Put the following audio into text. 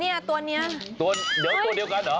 เนี่ยตัวนี้ตัวเดี๋ยวตัวเดียวกันเหรอ